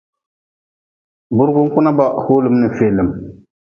Burgun kuna ba hoolm n feelm.